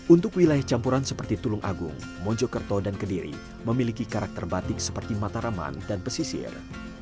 untuk wilayah campuran seperti tulung agung mojokerto dan kediri memiliki karakter batik seperti mataraman dan pesisir